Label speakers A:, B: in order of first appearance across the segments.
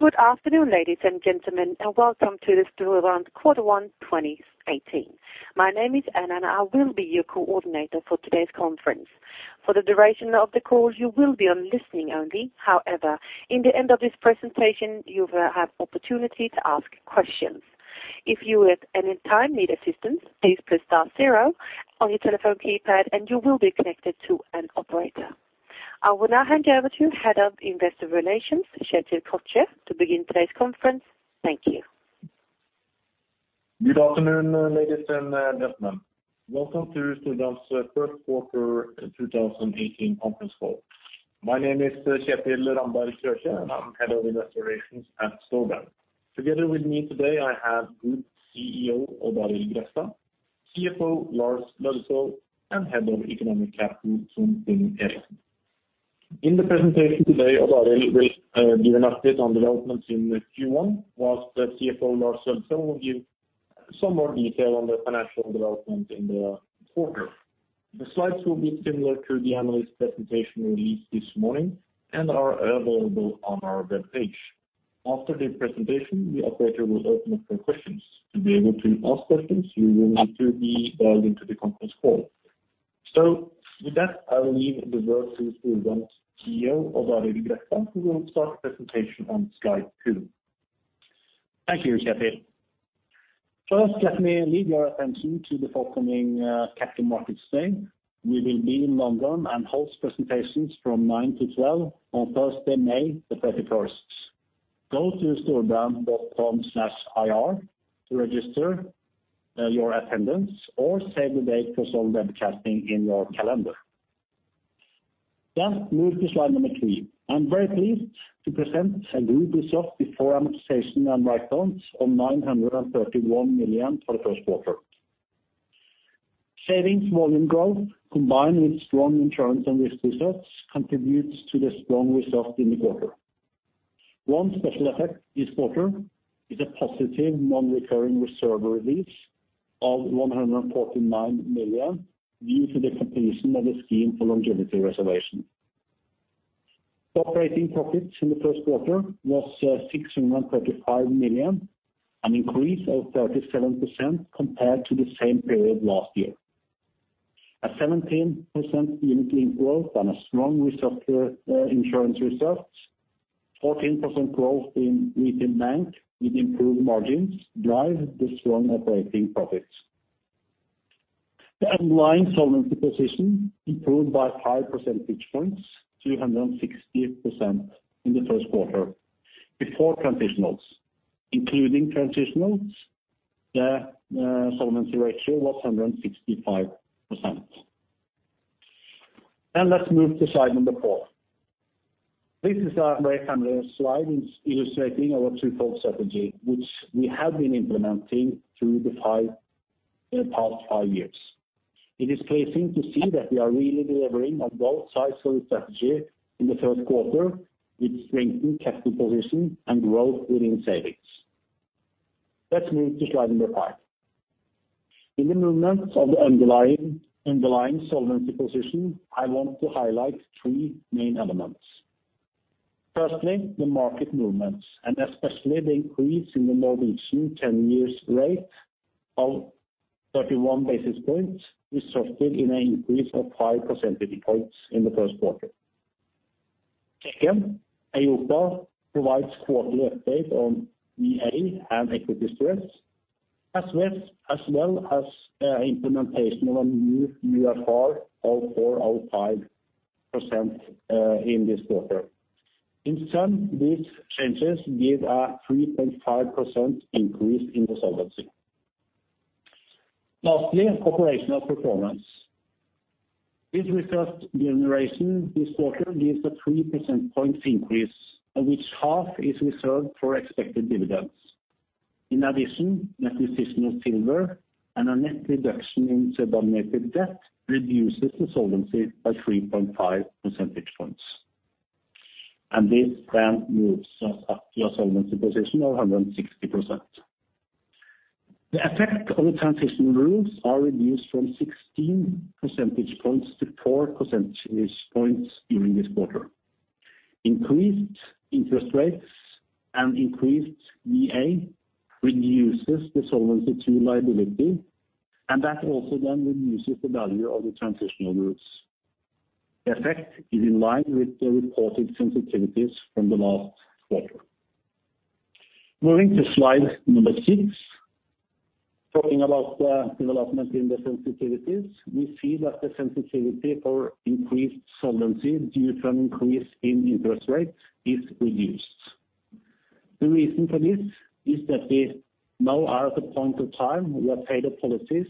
A: Good afternoon, ladies and gentlemen, and welcome to the Storebrand quarter 1, 2018. My name is Anna, and I will be your coordinator for today's conference. For the duration of the call, you will be on listening only. However, in the end of this presentation, you will have opportunity to ask questions. If you at any time need assistance, please press star zero on your telephone keypad and you will be connected to an operator. I will now hand over to Head of Investor Relations, Kjetil Krøkje, to begin today's conference. Thank you.
B: Good afternoon, ladies and gentlemen. Welcome to Storebrand's Q1 2018 conference call. My name is Kjetil Ramberg Krøkje, and I'm Head of Investor Relations at Storebrand. Together with me today, I have Group CEO, Odd Arild Grefstad, CFO Lars Aasulv Løddesøl, and Head of Economic Capital, Trond Finn Eriksen. In the presentation today, Odd Arild Grefstad will give an update on developments in the Q1, while the CFO, Lars Aasulv Lødde, will give some more detail on the financial development in the quarter. The slides will be similar to the analyst presentation released this morning and are available on our webpage. After the presentation, the operator will open up for questions. To be able to ask questions, you will need to be dialed into the conference call. So with that, I will leave the word to Storebrand's CEO, Odd Arild Grefstad, who will start the presentation on slide 2.
C: Thank you, Kjetil. First, let me lead your attention to the forthcoming Capital Markets Day. We will be in London and host presentations from 9 to 12 on Thursday, May the thirty-first. Go to storebrand.com/ir to register your attendance or save the date for some webcasting in your calendar. Then, move to slide number 3. I'm very pleased to present a good result before amortization and write-downs of 931 million for the first quarter. Savings volume growth, combined with strong insurance and risk results, contributes to the strong result in the quarter. One special effect this quarter is a positive non-recurring reserve release of 149 million, due to the completion of the scheme for longevity reservation. Operating profits in the first quarter was six hundred and thirty-five million, an increase of 37% compared to the same period last year. A 17% Unit Linked improvement on a strong result, insurance results, 14% growth in retail bank with improved margins drive the strong operating profits. The underlying solvency position improved by 5 percentage points, 360% in the first quarter before transitionals. Including transitionals, the solvency ratio was 165%. Let's move to slide number four. This is a very familiar slide in illustrating our threefold strategy, which we have been implementing through the past five years. It is pleasing to see that we are really delivering on both sides of the strategy in the first quarter, with strengthened capital position and growth within savings. Let's move to slide number five. In the movements of the underlying, underlying solvency position, I want to highlight three main elements. Firstly, the market movements, and especially the increase in the Norwegian 10-year rate of 31 basis points, resulted in an increase of 5 percentage points in the first quarter. Second, EIOPA provides quarterly updates on VA and equity stress, as well as implementation of a new UFR of 4.05%, in this quarter. In sum, these changes give a 3.5% increase in the solvency. Lastly, operational performance. This result generation this quarter gives a 3 percentage points increase, of which half is reserved for expected dividends. In addition, an acquisition of Silver and a net reduction in subordinated debt reduces the solvency by 3.5 percentage points. And this then moves us up to a solvency position of 160%. The effect of the transitional rules are reduced from 16 percentage points to 4 percentage points during this quarter. Increased interest rates and increased VA reduces the Solvency II liability, and that also then reduces the value of the transitional rules. The effect is in line with the reported sensitivities from the last quarter. Moving to slide number 6. Talking about development in the sensitivities, we see that the sensitivity for increased solvency due to an increase in interest rates is reduced. The reason for this is that we now are at the point of time where paid-up policies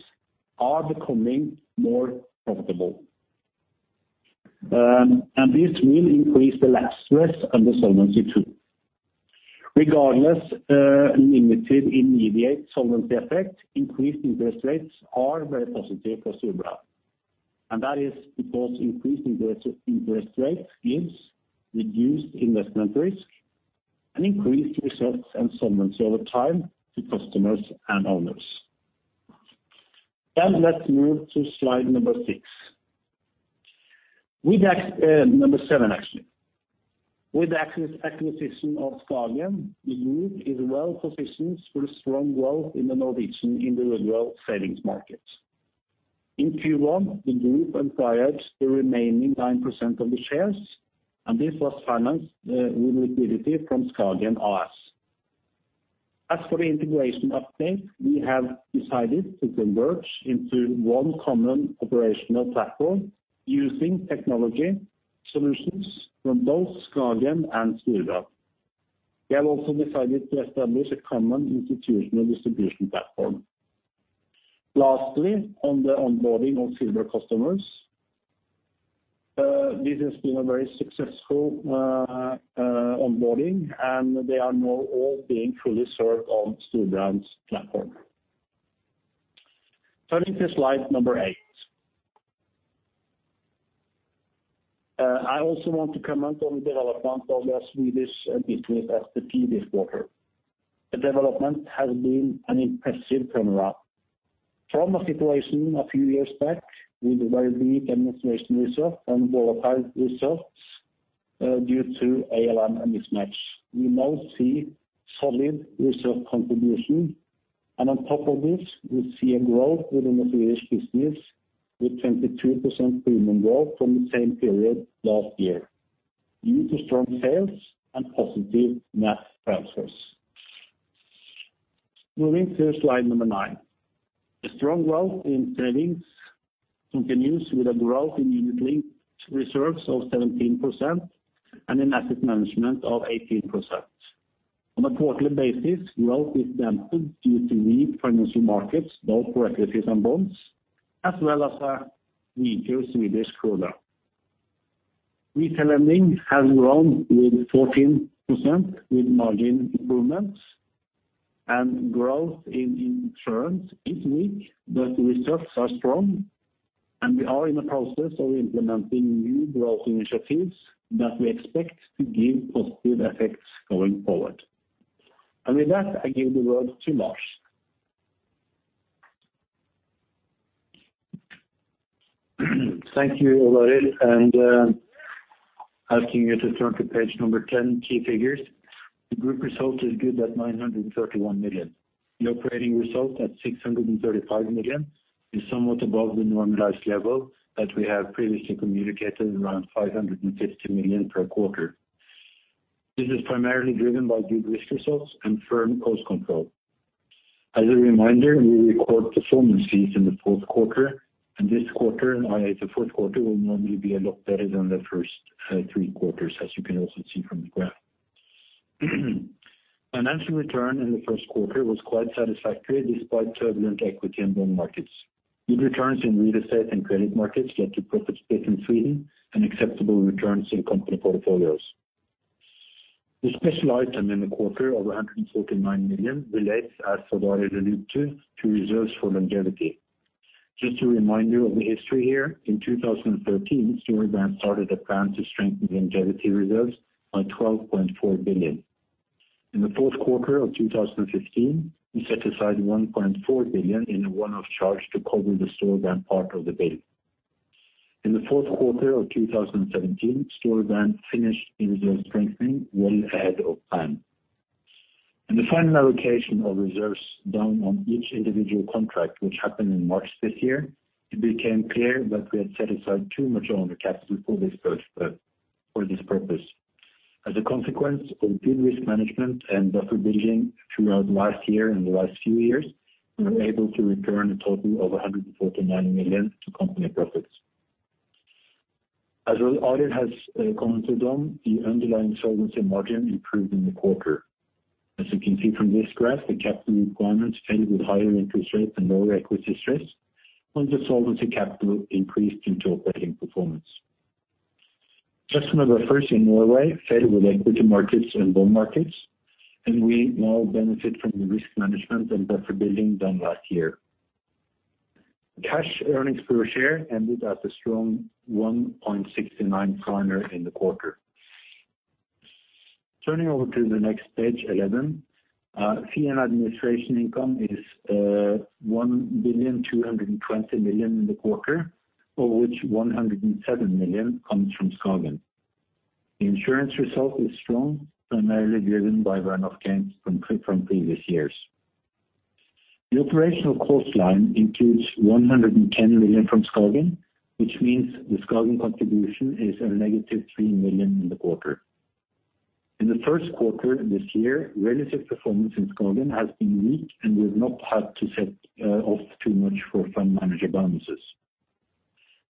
C: are becoming more profitable, and this will increase the lapse stress on the solvency too. Regardless, a limited immediate solvency effect, increased interest rates are very positive for Storebrand, and that is because increased interest rates give reduced investment risk and increased results and solvency over time to customers and owners. Then let's move to slide number six. With slide number seven, actually. With the acquisition of Skagen, the group is well positioned for strong growth in the Norwegian individual savings market. In Q1, the group acquired the remaining 9% of the shares, and this was financed with liquidity from Skagen AS. As for the integration update, we have decided to converge into one common operational platform using technology solutions from both SKAGEN and Storebrand. We have also decided to establish a common institutional distribution platform. Lastly, on the onboarding of Storebrand customers, this has been a very successful onboarding, and they are now all being fully served on Storebrand's platform. Turning to slide number 8. I also want to comment on the development of the Swedish business as in the previous quarter. The development has been an impressive turnaround. From a situation a few years back, with very weak administration results and volatile results, due to ALM and mismatch, we now see solid results contribution. And on top of this, we see a growth within the Swedish business with 22% premium growth from the same period last year, due to strong sales and positive net transfers. Moving to slide number 9. The strong growth in savings continues with a growth in unit linked reserves of 17% and in asset management of 18%. On a quarterly basis, growth is dampened due to weak financial markets, both equities and bonds, as well as a weaker Swedish product. Retail lending has grown with 14%, with margin improvements and growth in insurance is weak, but the results are strong, and we are in the process of implementing new growth initiatives that we expect to give positive effects going forward. With that, I give the word to Lars.
D: Thank you, Arild, and asking you to turn to page 10, key figures. The group result is good at 931 million. The operating result at 635 million is somewhat above the normalized level that we have previously communicated, around 550 million per quarter. This is primarily driven by good risk results and firm cost control. As a reminder, we record performance fees in the fourth quarter, and this quarter, i.e., the fourth quarter, will normally be a lot better than the first three quarters, as you can also see from the graph. Financial return in the first quarter was quite satisfactory, despite turbulent equity and bond markets. Good returns in real estate and credit markets led to profit split in Sweden and acceptable returns in company portfolios. The special item in the quarter of 149 million relates, as Odd Arild alluded to, to reserves for longevity. Just to remind you of the history here, in 2013, Storebrand started a plan to strengthen the longevity reserves by 12.4 billion. In the fourth quarter of 2015, we set aside 1.4 billion in a one-off charge to cover the Storebrand part of the bill. In the fourth quarter of 2017, Storebrand finished reserve strengthening well ahead of plan. In the final allocation of reserves down on each individual contract, which happened in March this year, it became clear that we had set aside too much under caps before this first, for this purpose. As a consequence of good risk management and buffer building throughout last year and the last few years, we were able to return a total of 149 million to company profits. As Odd Arild has commented on, the underlying solvency margin improved in the quarter. As you can see from this graph, the capital requirements fell with higher interest rates and lower equity stress, once the solvency capital increased into operating performance. Customer reserves in Norway fell with equity markets and bond markets, and we now benefit from the risk management and buffer building done last year. The cash earnings per share ended at a strong 1.69 NOK in the quarter. Turning over to the next page, 11, fee and administration income is one billion two hundred and twenty million in the quarter, of which 107 million comes from SKAGEN. The insurance result is strong, primarily driven by run-off gains from from previous years. The operational cost line includes 110 million from SKAGEN, which means the SKAGEN contribution is a negative 3 million in the quarter. In the first quarter this year, relative performance in SKAGEN has been weak, and we've not had to set off too much for fund manager bonuses.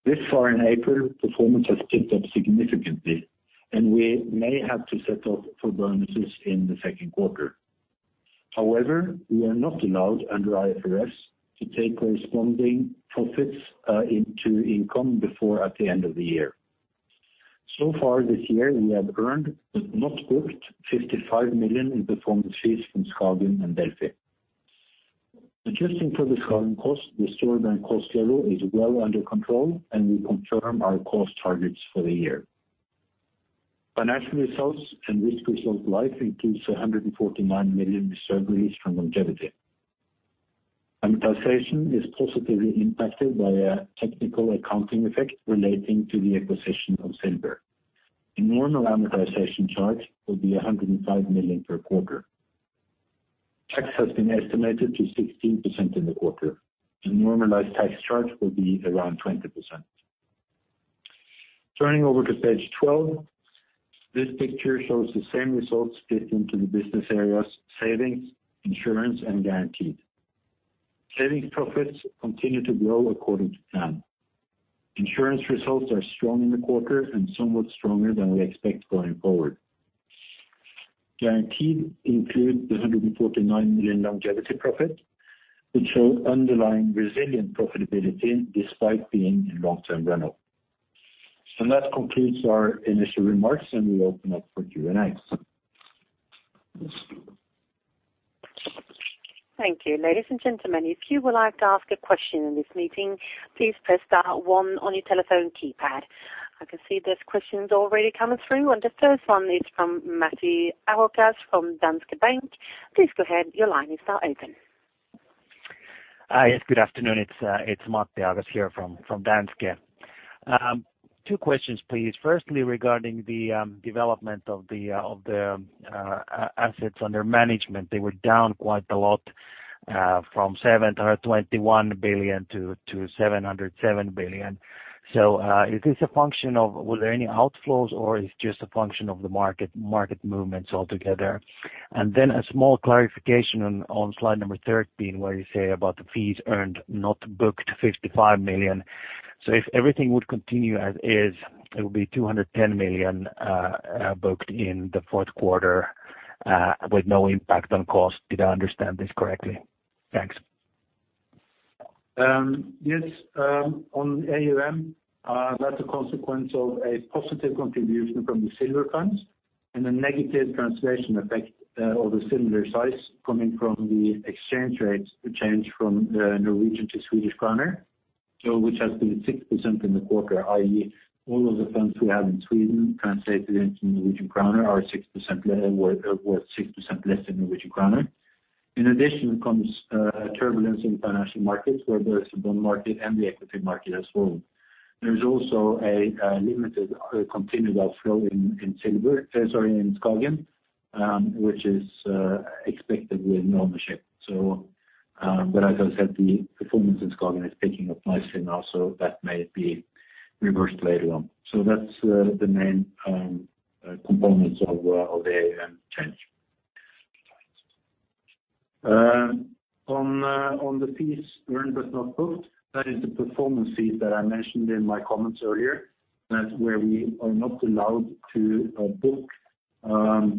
D: This far in April, performance has picked up significantly, and we may have to set off for bonuses in the second quarter. However, we are not allowed, under IFRS, to take corresponding profits into income before at the end of the year. So far this year, we have earned, but not booked, 55 million in performance fees from SKAGEN and Delphi. Adjusting for the SKAGEN cost, the Storebrand cost level is well under control, and we confirm our cost targets for the year. Financial results and risk result life includes 149 million reserves from longevity. Amortization is positively impacted by a technical accounting effect relating to the acquisition of Silver. A normal amortization charge will be 105 million per quarter. Tax has been estimated to 16% in the quarter. The normalized tax charge will be around 20%. Turning over to page 12, this picture shows the same results fit into the business areas, savings, insurance, and guaranteed. Savings profits continue to grow according to plan. Insurance results are strong in the quarter and somewhat stronger than we expect going forward. Guaranteed include the 149 million longevity profit, which show underlying resilient profitability despite being in long-term runoff. That concludes our initial remarks, and we open up for Q&A.
A: Thank you. Ladies and gentlemen, if you would like to ask a question in this meeting, please press star one on your telephone keypad. I can see there's questions already coming through, and the first one is from Matti Ahokas from Danske Bank. Please go ahead. Your line is now open.
E: Hi. Good afternoon. It's Matti Ahokas here from Danske Bank. Two questions, please. Firstly, regarding the development of the assets under management, they were down quite a lot from 721 billion to 707 billion. So, is this a function of were there any outflows, or it's just a function of the market movements altogether? And then a small clarification on slide number 13, where you say about the fees earned, not booked 55 million. So if everything would continue as is, it would be 210 million booked in the fourth quarter with no impact on cost. Did I understand this correctly? Thanks.
D: Yes, on AUM, that's a consequence of a positive contribution from the Silver funds and a negative translation effect of a similar size coming from the exchange rates, the change from Norwegian to Swedish kroner, so which has been 6% in the quarter, i.e., all of the funds we have in Sweden translated into Norwegian kroner are worth 6% less than Norwegian kroner. In addition, comes turbulence in financial markets, where both the bond market and the equity market has fallen. There is also a limited continued outflow in Silver, sorry, in Skagen, which is expected with ownership. So, but as I said, the performance in Skagen is picking up nicely now, so that may be reversed later on. So that's the main components of the AUM change. On the fees earned but not booked, that is the performance fees that I mentioned in my comments earlier. That's where we are not allowed to book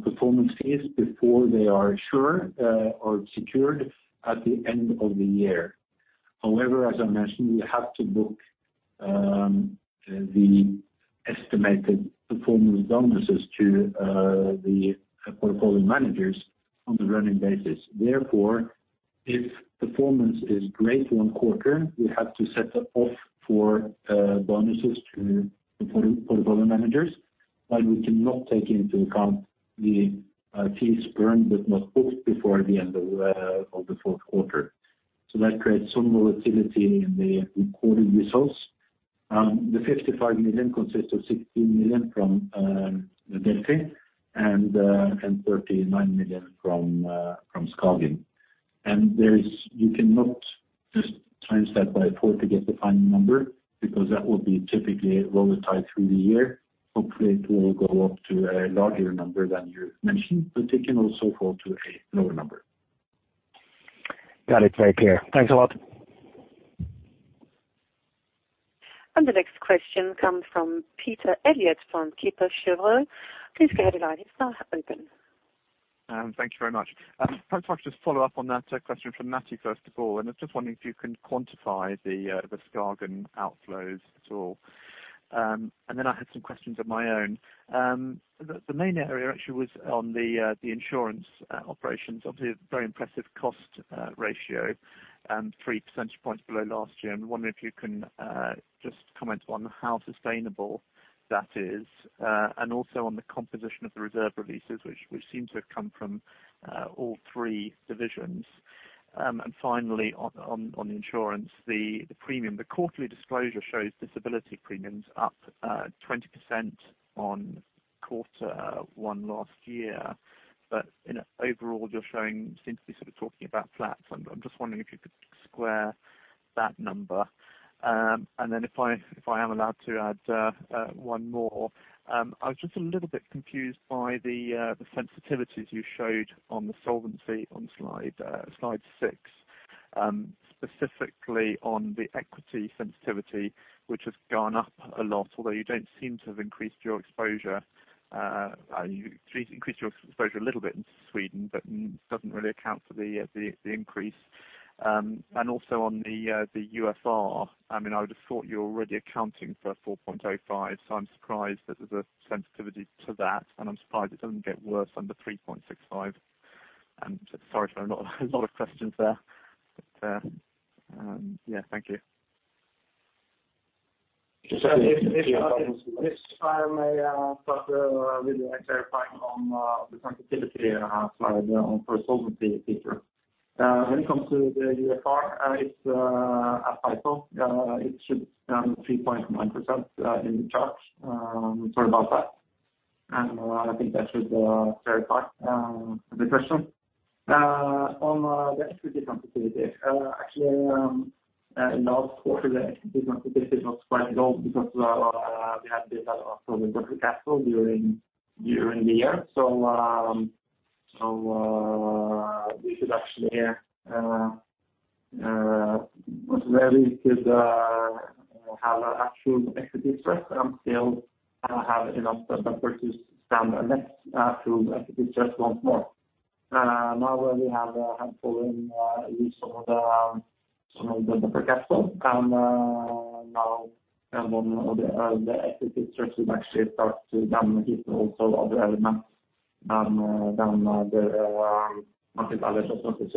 D: performance fees before they are sure or secured at the end of the year. However, as I mentioned, we have to book the estimated performance bonuses to the portfolio managers on a running basis. Therefore, if performance is great one quarter, we have to set off for bonuses to the portfolio managers, but we cannot take into account the fees earned, but not booked before the end of the fourth quarter. So that creates some volatility in the recorded results. The 55 million consists of 16 million from the DNB and 39 million from SKAGEN. There's... You cannot just times that by four to get the final number, because that will be typically volatile through the year. Hopefully, it will go up to a larger number than you mentioned, but it can also fall to a lower number.
E: Got it, very clear. Thanks a lot.
A: The next question comes from Peter Eliot from Kepler Cheuvreux. Please go ahead. The line is now open.
F: Thank you very much. Perhaps if I could just follow up on that question from Matti, first of all, and I'm just wondering if you can quantify the, the SKAGEN outflows at all. And then I had some questions of my own. The, the main area actually was on the, the insurance, operations. Obviously, a very impressive cost, ratio, 3 percentage points below last year. I'm wondering if you can, just comment on how sustainable that is, and also on the composition of the reserve releases, which, which seem to have come from, all three divisions. And finally, on, on, on insurance, the, the premium, the quarterly disclosure shows disability premiums up, 20% on quarter one last year. But in overall, you're showing seem to be sort of talking about flats. I'm just wondering if you could square that number. And then if I am allowed to add one more, I was just a little bit confused by the sensitivities you showed on the solvency on slide 6. Specifically on the equity sensitivity, which has gone up a lot, although you don't seem to have increased your exposure, you increased your exposure a little bit in Sweden, but doesn't really account for the increase. And also on the UFR. I mean, I would have thought you're already accounting for 4.05, so I'm surprised that there's a sensitivity to that, and I'm surprised it doesn't get worse under 3.65. And sorry for a lot of questions there. But yeah, thank you....
G: If I may start with clarifying on the sensitivity slide on for solvency feature. When it comes to the UFR, it's, as I thought, it should run 3.9% in the charts, sorry about that. And I think that should clarify the question. On the equity sensitivity, actually, in last quarter, the equity sensitivity was quite low because we had developed also the buffer capital during the year. So, we could actually where we could have our actual equity spread and still have enough buffer to stand next to equity just once more. Now that we have fallen with some of the buffer capital, and now on the equity structure would actually start to then hit also other elements than the market value of properties.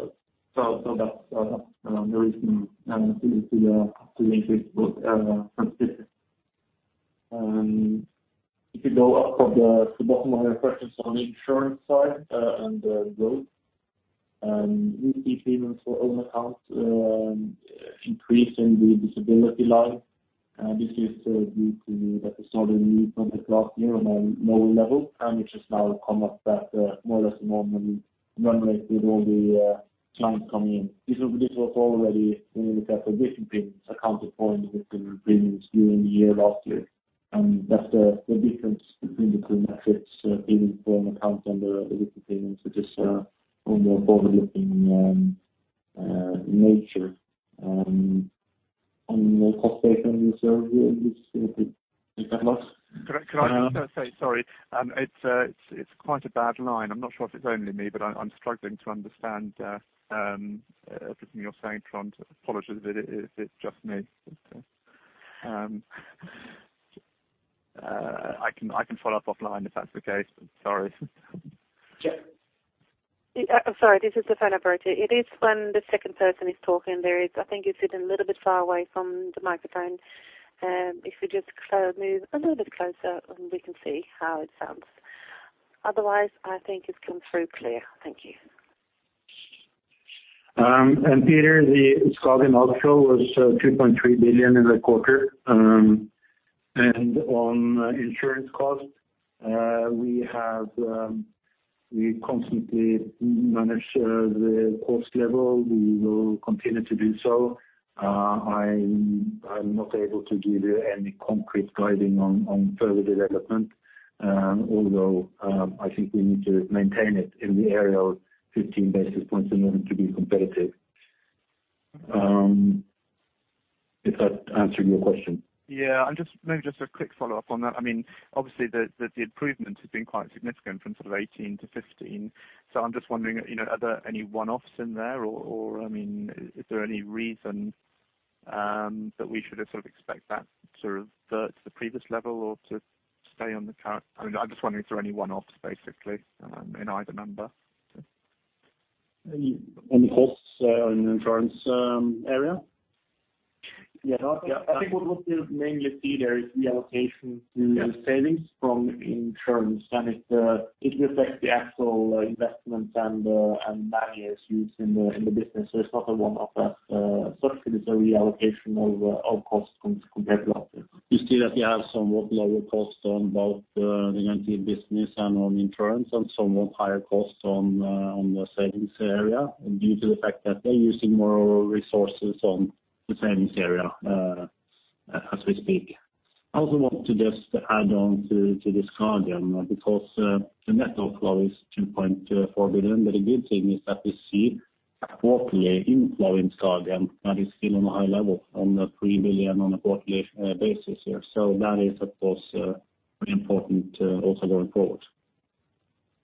G: So that's the reason to increase both sensitivity. If you go up from the bottom of your questions on insurance side, and growth, we see payments for own account increasing the disability line. This is due to that we saw a new from the last year on a lower level, and which has now come up that more or less normally run rate with all the clients coming in. This was already, when you look at the different payments, accounted for in the premiums during the year, last year. And that's the difference between the two metrics, payment for own account and the (different payments), which is more forward-looking nature. On the cost base, I mean, so we still take that loss.
F: Can I just say, sorry. It's quite a bad line. I'm not sure if it's only me, but I'm struggling to understand everything you're saying, Trond. Apologies if it's just me. I can follow up offline if that's the case. Sorry.
G: Sure.
A: I'm sorry, this is the phone operator. It is when the second person is talking, there is... I think you're sitting a little bit far away from the microphone. If you just go, move a little bit closer, and we can see how it sounds. Otherwise, I think it's come through clear. Thank you.
D: And Peter, the SKAGEN outflow was 2.3 billion in the quarter. And on insurance cost, we constantly manage the cost level. We will continue to do so. I'm not able to give you any concrete guidance on further development, although I think we need to maintain it in the area of 15 basis points in order to be competitive. If that answered your question?
F: Yeah. I'm just maybe just a quick follow-up on that. I mean, obviously the improvement has been quite significant from sort of 18 to 15. So I'm just wondering, you know, are there any one-offs in there, or, I mean, is there any reason that we should have sort of expect that to revert to the previous level or to stay on the current... I mean, I'm just wondering if there are any one-offs, basically, in either number?
G: On the costs, in the insurance, area?
B: Yeah, I think what we'll mainly see there is reallocation to savings from insurance, and it reflects the actual investments and values used in the business. So it's not a one-off as such, it is a reallocation of costs compared to last year.
G: You see that we have somewhat lower costs on both, the P&C business and on insurance, and somewhat higher costs on, on the savings area, due to the fact that they're using more resources on the savings area, as we speak. I also want to just add on to, to this SKAGEN, because, the net outflow is 2.4 billion. But the good thing is that we see a quarterly inflow in SKAGEN, that is still on a high level, of 3 billion on a quarterly basis here. So that is, of course, pretty important, also going forward.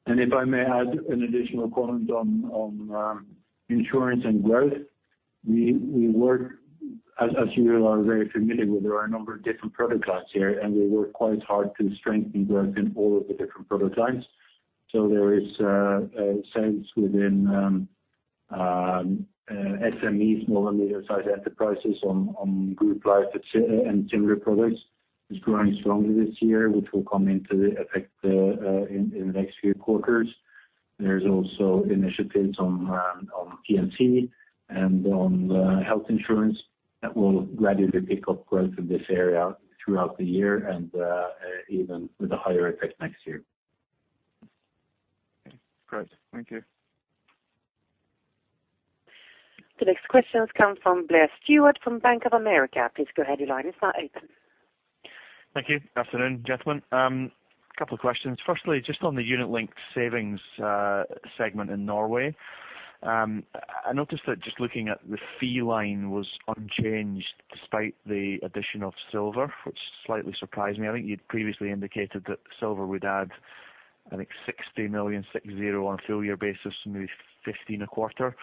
D: And if I may add an additional comment on insurance and growth. We work, as you are very familiar with, there are a number of different product classes here, and we work quite hard to strengthen growth in all of the different product lines. So there is a sense within SMEs, small and medium-sized enterprises, on group life and term products, is growing strongly this year, which will come into effect in the next few quarters. There's also initiatives on P&C and on health insurance that will gradually pick up growth in this area throughout the year and even with a higher effect next year.
F: Okay, great. Thank you.
A: The next question comes from Blair Stewart from Bank of America. Please go ahead, your line is now open.
H: Thank you. Afternoon, gentlemen. Couple of questions. Firstly, just on the unit-linked savings segment in Norway. I noticed that just looking at the fee line was unchanged despite the addition of Silver, which slightly surprised me. I think you'd previously indicated that Silver would add, I think, 60 million on a full year basis, maybe 15 a quarter.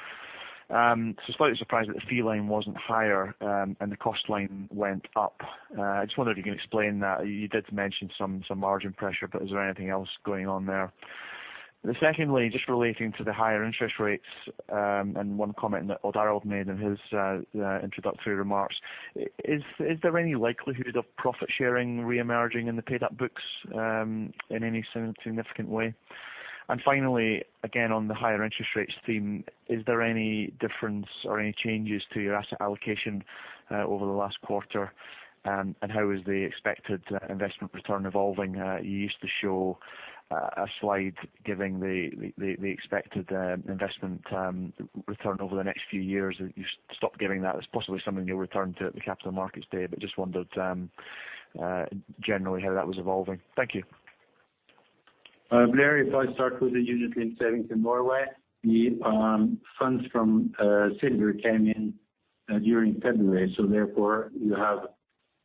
H: So slightly surprised that the fee line wasn't higher, and the cost line went up. I just wonder if you can explain that. You did mention some margin pressure, but is there anything else going on there? And secondly, just relating to the higher interest rates, and one comment that Odd Arild made in his introductory remarks. Is there any likelihood of profit sharing reemerging in the paid-up books, in any significant way? And finally, again, on the higher interest rates theme, is there any difference or any changes to your asset allocation over the last quarter? And how is the expected investment return evolving? You used to show a slide giving the expected investment return over the next few years. You stopped giving that. It's possibly something you'll return to at the Capital Markets Day, but just wondered generally how that was evolving. Thank you.
D: Blair, if I start with the Unit Linked savings in Norway, the funds from Silver came in during February, so therefore, you have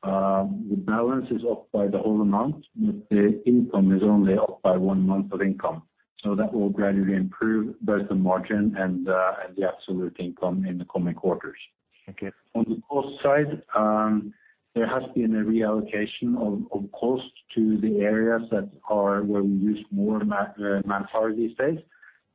D: the balance is up by the whole amount, but the income is only up by one month of income. So that will gradually improve both the margin and the absolute income in the coming quarters.
H: Okay.
D: On the cost side, there has been a reallocation of cost to the areas that are where we use more manpower these days,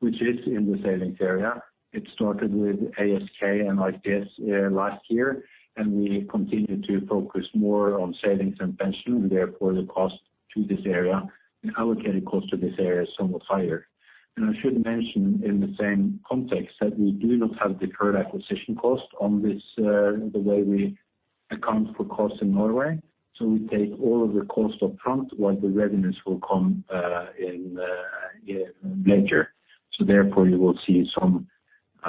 D: which is in the savings area. It started with ASK and IPS last year, and we continued to focus more on savings and pension, and therefore, the cost to this area and allocated cost to this area is somewhat higher. I should mention, in the same context, that we do not have deferred acquisition costs on this, the way we account for costs in Norway. So we take all of the costs up front while the revenues will come in later. Therefore, you will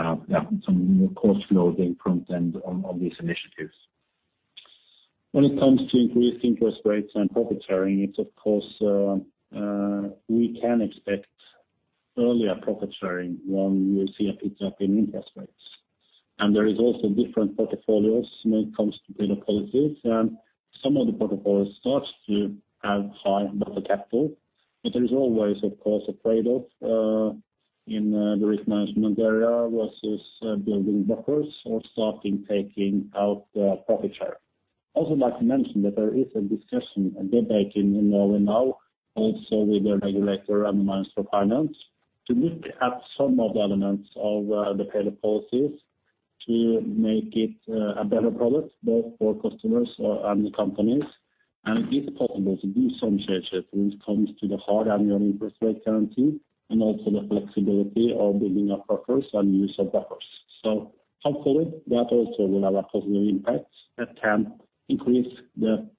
D: see some some cost loading from then on, on these initiatives.
C: When it comes to increased interest rates and profit sharing, it's of course we can expect earlier profit sharing when we see a pick up in interest rates. And there is also different portfolios when it comes to paid-up policies, and some of the portfolios starts to have high capital. But there is always, of course, a trade-off in the risk management area versus building buffers or starting taking out profit share. I also like to mention that there is a discussion, a debate in Norway now, also with the regulator and the Ministry of Finance, to look at some of the elements of the paid-up policies to make it a better product both for customers and the companies. It is possible to do some trade when it comes to the hard annual interest rate guarantee, and also the flexibility of building up buffers and use of buffers. So hopefully, that also will have a positive impact that can increase the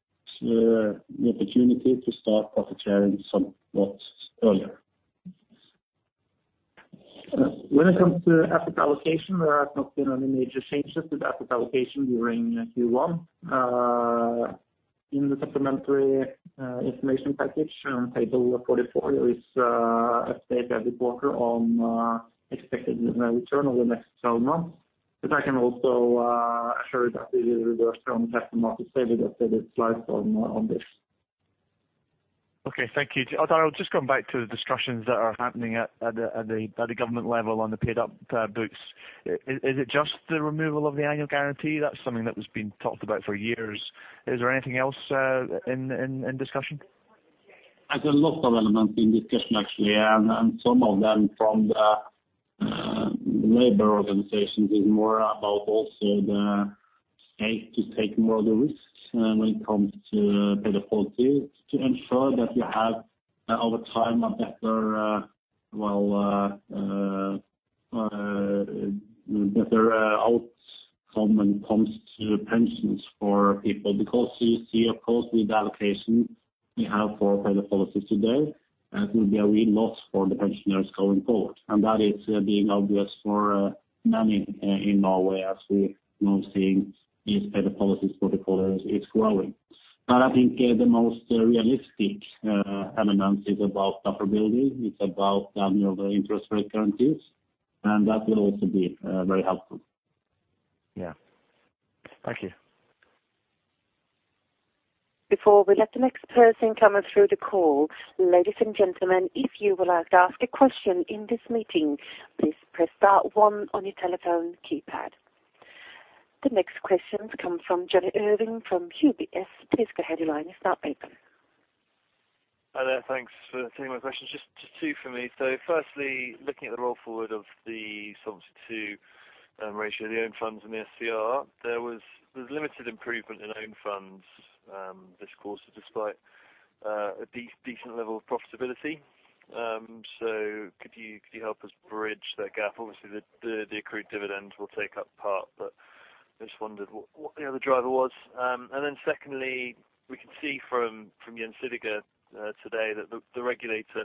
C: opportunity to start profit sharing somewhat earlier.
D: When it comes to asset allocation, there has not been any major changes to the asset allocation during Q1. In the supplementary information package on table 44, there is a state every quarter on expected return over the next 12 months. But I can also assure you that we will reverse on the Capital Markets Day with updated slides on on this.
H: Okay, thank you. Odd Arild, just going back to the discussions that are happening at the government level on the paid-up books. Is it just the removal of the annual guarantee? That's something that has been talked about for years. Is there anything else in discussion?
C: There's a lot of elements in discussion, actually, and some of them from the labor organizations is more about also the state to take more of the risks, when it comes to paid-up policy, to ensure that you have, over time, a better, well, better outcome when it comes to pensions for people. Because you see, of course, the allocation you have for paid-up policies today, that will be a real loss for the pensioners going forward. And that is being obvious for many in Norway, as we are now seeing these paid-up policies portfolios is growing. But I think, the most realistic element is about affordability, it's about annual interest rate guarantees, and that will also be very helpful.
H: Yeah. Thank you.
A: Before we let the next person come through the call, ladies and gentlemen, if you would like to ask a question in this meeting, please press star one on your telephone keypad. The next question comes from Jonny Urwin, from UBS. Please go ahead, your line is now open.
I: Hi there. Thanks for taking my questions. Just two for me. So firstly, looking at the roll forward of the Solvency II ratio, the own funds and the SCR, there was limited improvement in own funds this quarter, despite a decent level of profitability. So could you help us bridge that gap? Obviously, the accrued dividends will take up part, but I just wondered what you know, the driver was. And then secondly, we can see from Gjensidige today, that the regulator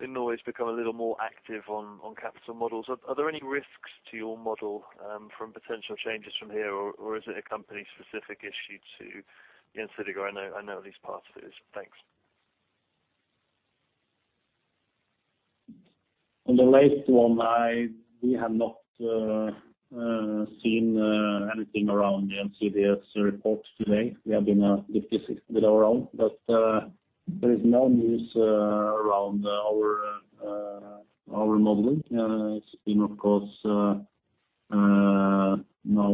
I: in Norway has become a little more active on capital models. Are there any risks to your model from potential changes from here, or is it a company-specific issue to Gjensidige? I know at least part of it is. Thanks.
C: On the last one, we have not seen anything around the Gjensidige reports today. We have been busy with our own, but there is no news around our modeling. It's been, of course,...
G: now,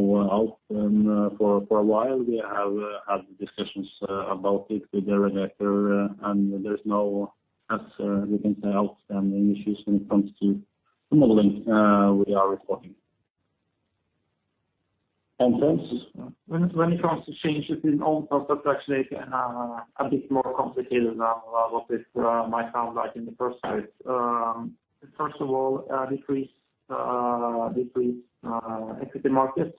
G: for a while, we have had discussions about it with the regulator, and there's no, as we can say, outstanding issues when it comes to the modeling we are reporting. And thanks. When it comes to changes in own funds, that's actually a bit more complicated than what it might sound like in the first place. First of all, decreases in equity markets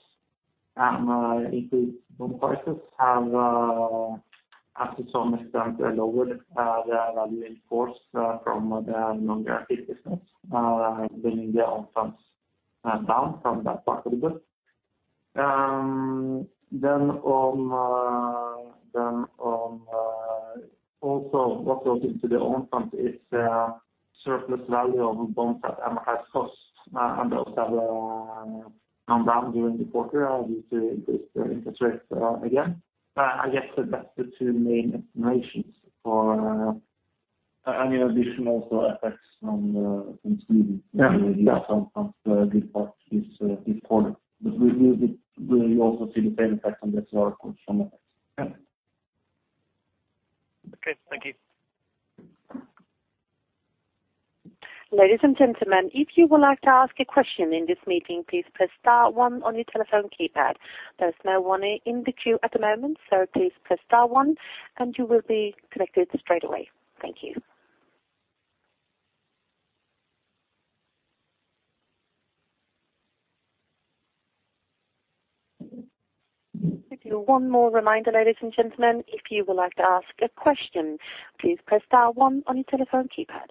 G: and increases in bond prices have, to some extent, lowered the value in force from the non-guaranteed business, bringing the own funds down from that part of the business. Then on also what goes into the own funds is surplus value of bonds that at amortized cost and also have come down during the quarter due to increased interest rates again. I guess that's the two main explanations for any additional effects from Sweden. Yeah. This part this quarter. But we also see the same effect on the quarter from it. Yeah.
B: Okay, thank you.
A: Ladies and gentlemen, if you would like to ask a question in this meeting, please press star one on your telephone keypad. There's no one in the queue at the moment, so please press star one, and you will be connected straight away. Thank you. Just one more reminder, ladies and gentlemen, if you would like to ask a question, please press star one on your telephone keypad.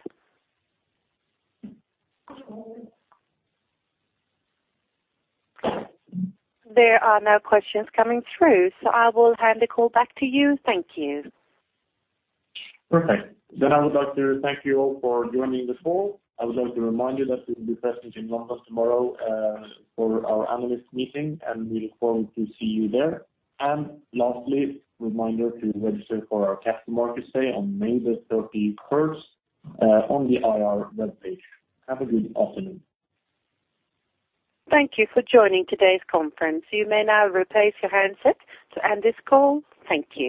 A: There are no questions coming through, so I will hand the call back to you. Thank you.
G: Perfect. Then I would like to thank you all for joining this call. I would like to remind you that we will be presenting in London tomorrow, for our analyst meeting, and we look forward to see you there. And lastly, reminder to register for our Capital Markets Day on May 31, on the IR webpage. Have a good afternoon.
A: Thank you for joining today's conference. You may now replace your handset to end this call. Thank you.